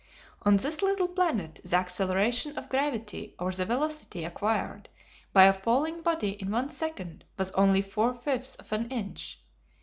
On this little planet the acceleration of gravity or the velocity acquired by a falling body in one second was only four fifths of an inch.